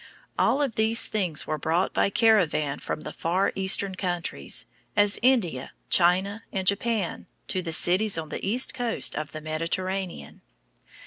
All of these things were brought by caravan from the far Eastern countries, as India, China, and Japan, to the cities on the east coast of the Mediterranean.